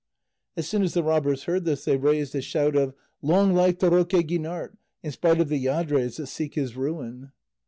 As soon as the robbers heard this they raised a shout of "Long life to Roque Guinart, in spite of the lladres that seek his ruin!"